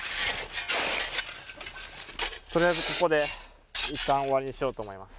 取りあえずここでいったん終わりにしようと思います。